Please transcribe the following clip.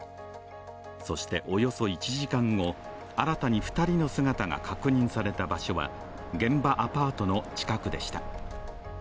そしておよそ１時間後新たに２人の姿が確認された場所は現場アパートの近くでした。